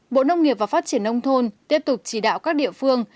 bộ nông nghiệp và phát triển nông thôn tiếp tục chỉ đạo các địa phương